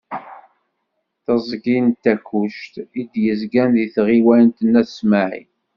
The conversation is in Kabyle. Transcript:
Tiẓgi n Takkuct i d-yezgan deg tɣiwant n At Smaεel.